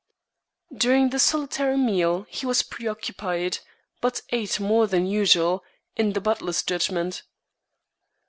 During the solitary meal he was preoccupied, but ate more than usual, in the butler's judgment.